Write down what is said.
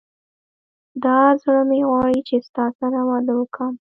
دا زړه مي غواړي چي ستا سره واده وکم